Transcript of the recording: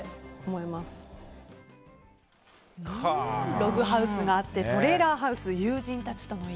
ログハウスがあってトレーラーハウス友人たちとの家。